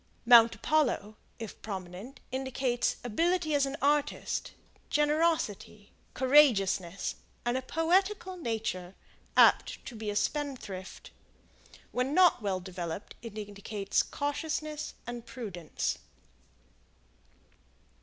Mount Apollo, if prominent, indicates ability as an artist, generosity, courageousness, and a poetical nature, apt to be a spendthrift. When not well developed, it indicates cautiousness and prudence.